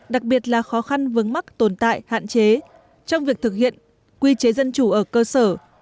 đặc biệt là khó khăn vướng mắc tồn tại hạn chế trong việc thực hiện quy chế dân chủ ở cơ sở